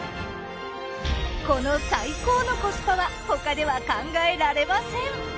この最高のコスパは他では考えられません。